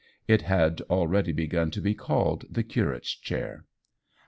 It had already begun to be called the curate's chair.